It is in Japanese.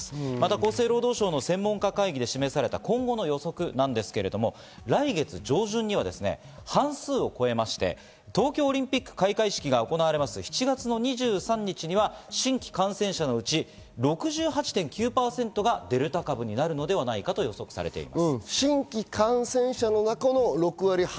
厚生労働省の専門家会議で示された今後の予測では、来月上旬には半数を超えて、東京オリンピック開会式が行われる７月２３日には新規感染者のうち６８．９％がデルタ株になるのではないかと予想されています。